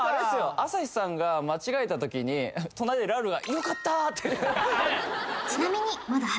朝日さんが間違えたときに隣でラウールが「よかったー」って